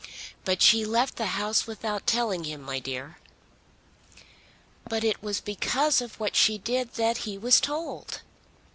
"But she left the house without telling him, my dear." "But it was because of what she did that he was told."